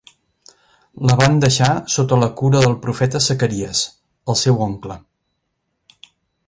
La van deixar sota la cura del profeta Zacaries, el seu oncle.